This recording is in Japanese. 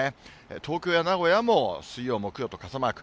東京や名古屋も水曜、木曜と傘マーク。